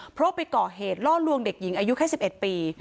เพราะไปก่อเหตุล่อลวงเด็กหญิงอายุแค่๑๑ปี